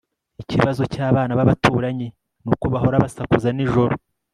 Ikibazo cyabana babaturanyi nuko bahora basakuza nijoro